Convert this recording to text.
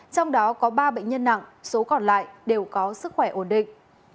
trong đó có ba bệnh nhân nặng số còn lại đều có sức khỏe ổn định